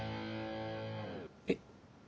えっ？